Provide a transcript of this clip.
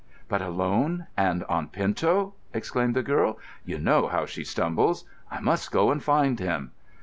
"But alone, and on pinto!" exclaimed the girl. "You know how she stumbles. I must go and find him."